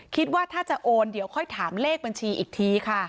คิดว่าถ้าจะโอนเดี๋ยวค่อยถามเลขบัญชีอีกทีค่ะ